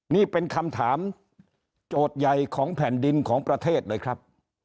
นี่เป็นคำถามโจทย์ใหญ่ของแผ่นดินของประเทศเลยครับ